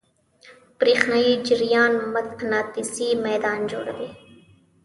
برېښنایی جریان مقناطیسي میدان جوړوي.